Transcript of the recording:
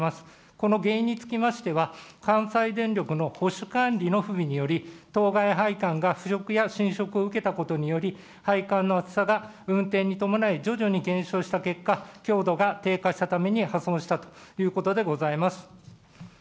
この原因につきましては、関西電力の保守管理の不備により、当該配管が腐食や浸食を受けたことにより、配管のあつさが運転に伴い徐々に減少した結果、強度が低下したために破損したということでございます。